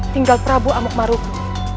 tinggal prabu amokmaruku